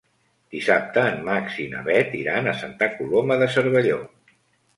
Dissabte en Max i na Bet iran a Santa Coloma de Cervelló.